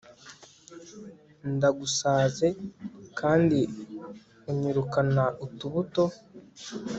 ndagusaze kandi unyirukana utubuto